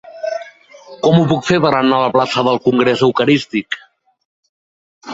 Com ho puc fer per anar a la plaça del Congrés Eucarístic?